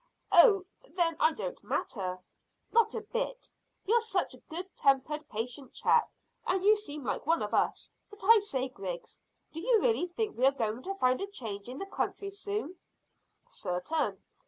"Oh, then I don't matter?" "Not a bit. You're such a good tempered, patient chap, and you seem like one of us. But I say, Griggs, do you really think we are going to find a change in the country soon?" "Certain."